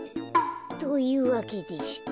というわけでして。